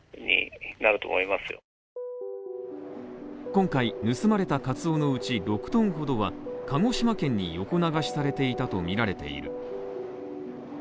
今回盗まれたカツオのうち６ｔほどは鹿児島県に横流しされていたとみられている。